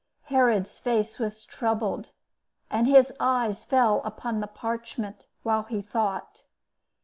'" Herod's face was troubled, and his eyes fell upon the parchment while he thought.